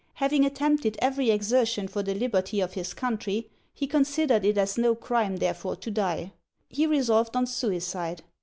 Having attempted every exertion for the liberty of his country, he considered it as no crime therefore to die. He resolved on suicide.